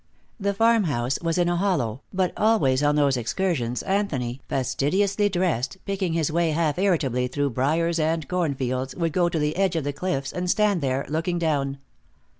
The farmhouse was in a hollow, but always on those excursions Anthony, fastidiously dressed, picking his way half irritably through briars and cornfields, would go to the edge of the cliffs and stand there, looking down.